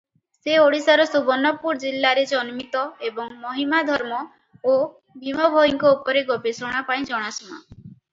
ସେ ଓଡ଼ିଶାର ସୁବର୍ଣ୍ଣପୁର ଜିଲ୍ଲାରେ ଜନ୍ମିତ ଏବଂ ମହିମା ଧର୍ମ ଓ ଭୀମ ଭୋଇଙ୍କ ଉପରେ ଗବେଷଣା ପାଇଁ ଜଣାଶୁଣା ।